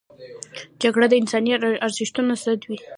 جګړه د انساني ارزښتونو ضد ده